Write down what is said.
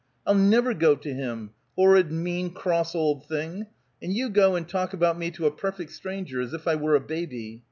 "I'll never go to him horrid, mean, cross old thing! And you go and talk about me to a perfect stranger as if I were a baby.